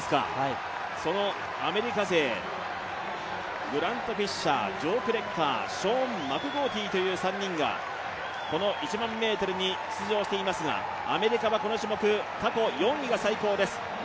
そのアメリカ勢、グラント・フィッシャー、ジョー・クレッカー、ショーン・マクゴーティーという３人がこの１００００ｍに出場していますがアメリカはこの種目、過去４位が最高です。